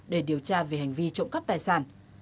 để điều tra về hành vi trộm cắp tài sản